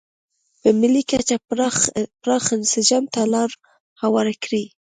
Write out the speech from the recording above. په ملي کچه پراخ انسجام ته لار هواره کړي.